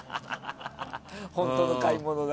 本当の買い物だ。